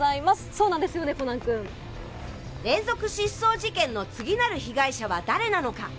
そうなんですよね、コナン連続失踪事件の次なる被害者は誰なのか。